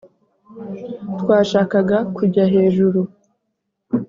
twashakaga kujya hejuru!